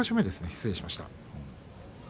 失礼しました。